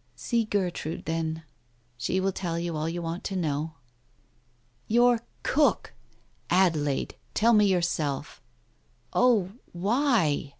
... "See Gertrude, then. She will tell you all you want to know." "Your cook! Adelaide, tell me yourself. Oh, why